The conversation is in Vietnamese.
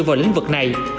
vào lĩnh vực này